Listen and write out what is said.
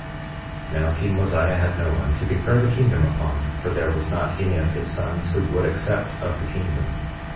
28:10 Now king Mosiah had no one to confer the kingdom upon, for there was not any of his sons who would accept of the kingdom.